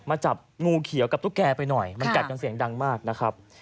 จับงูเขียวกับตุ๊กแกไปหน่อยมันกัดกันเสียงดังมากนะครับ